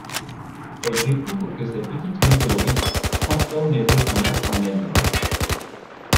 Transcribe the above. Elle découvre que ces petites météorites transforment les êtres humains en aliens.